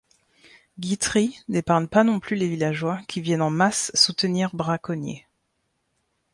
Guitry n'épargne pas non plus les villageois qui viennent en masse soutenir Braconnier.